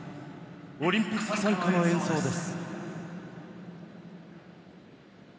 オリンピック賛歌の演奏です。